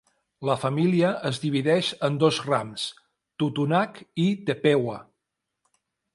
La família es divideix en dos rams, Totonac i Tepehua.